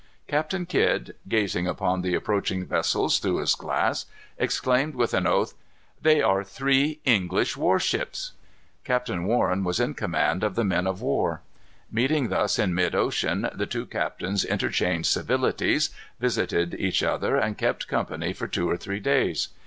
Captain Kidd, gazing upon the approaching vessels through his glass, exclaimed, with an oath, "They are three English war ships." Captain Warren was in command of the men of war. Meeting thus in mid ocean, the two captains interchanged civilities, visited each other, and kept company for two or three days.